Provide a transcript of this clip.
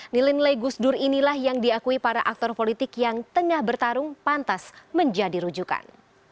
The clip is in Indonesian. nilai nilai gus dur inilah yang diakui para aktor politik yang tengah bertarung pantas menjadi rujukan